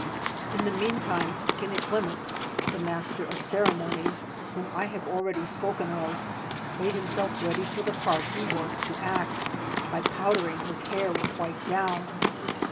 In the mean time Kinneclimmets, the master of ceremo 166 nies, whom I have already spoken of, made himself ready for the part he was to act, by powdering his hair with white down.